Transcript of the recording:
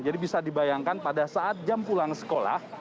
jadi bisa dibayangkan pada saat jam pulang sekolah